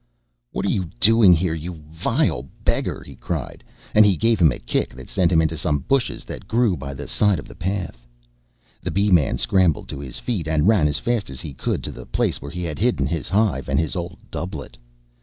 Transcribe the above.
"What are you doing here, you vile beggar?" he cried; and he gave him a kick that sent him into some bushes that grew by the side of the path. The Bee man scrambled to his feet, and ran as fast as he could to the place where he had hidden his hive and his old doublet.